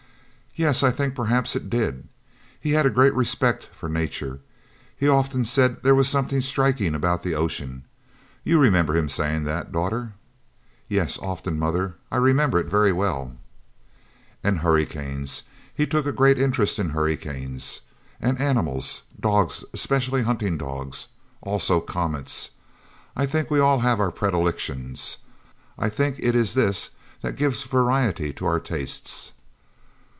"Yes, I think perhaps it did. He had a great respect for Nature. He often said there was something striking about the ocean. You remember his saying that, daughter?" "Yes, often, Mother. I remember it very well." "And hurricanes... He took a great interest in hurricanes. And animals. Dogs, especially hunting dogs. Also comets. I think we all have our predilections. I think it is this that gives variety to our tastes."